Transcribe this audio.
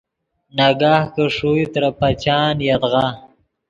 ناگاہ کہ ݰوئے ترے پچان یدغا